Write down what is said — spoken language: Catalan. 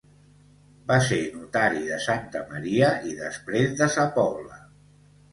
Va ser notari de Santa Maria i després de sa Pobla.